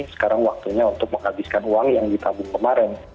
sekarang waktunya untuk menghabiskan uang yang ditabung kemarin